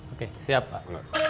oke siap pak